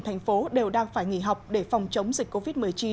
thành phố đều đang phải nghỉ học để phòng chống dịch covid một mươi chín